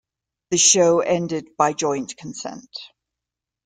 The show ended by joint consent.